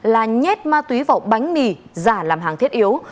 là nhét ma túy vào bánh mì giả làm hàng thiết yếu